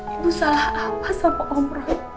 ibu salah apa sama om roy